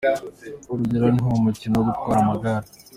Urugero ni nko mu mukino wo gutwara amagare.